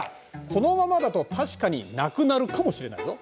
このままだと確かになくなるかもしれないぞ。